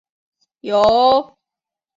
由前纳浩一担任人物设定。